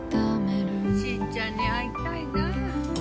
しぃちゃんに会いたいな。